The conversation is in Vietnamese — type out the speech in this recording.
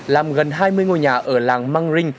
làm gần hai mươi ngôi nhà ở làng mang rinh